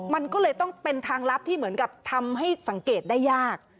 มันก็เลยต้องเป็นทางลับที่เหมือนกับทำให้สังเกตได้ยาก